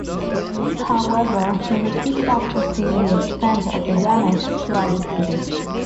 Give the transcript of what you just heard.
However, he requited after seeing the extent of the damage throughout the city.